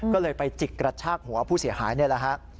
ก็เลยไปจิกกระชากหัวผู้เสียหายนี่แหละฮะ